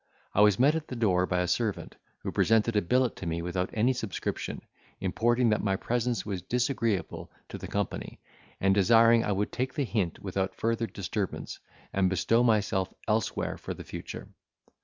I was met at the door by a servant, who presented a billet to me without a subscription, importing that my presence was disagreeable to the company, and desiring I would take the hint without further disturbance, and bestow myself elsewhere for the future.